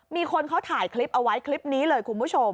มีคนเขาถ่ายคลิปเอาไว้คลิปนี้เลยคุณผู้ชม